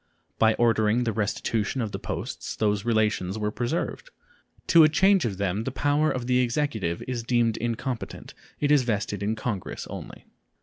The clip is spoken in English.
By ordering the restitution of the posts those relations were preserved. To a change of them the power of the Executive is deemed incompetent; it is vested in Congress only.